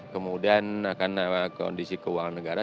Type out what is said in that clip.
kemudian karena kondisi keuangan negara